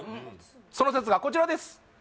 その説がこちらです